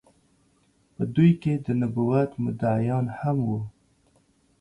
په دوی کې د نبوت مدعيانو هم وو